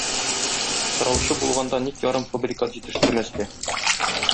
Сораучы булганда ник ярымфабрикат җитештермәскә?